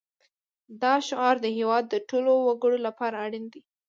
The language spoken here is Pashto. دا شعار د هېواد د ټولو وګړو لپاره اړین دی